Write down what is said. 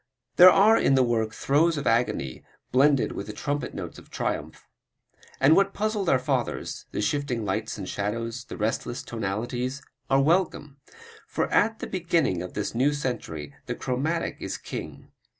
There are in the work throes of agony blended with the trumpet notes of triumph. And what puzzled our fathers the shifting lights and shadows, the restless tonalities are welcome, for at the beginning of this new century the chromatic is king.